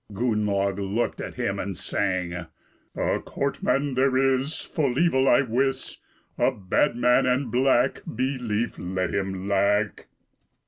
Gunnlaug looked at him and sang: "A courtman there is Full evil I wis, A bad man and black, Belief let him lack."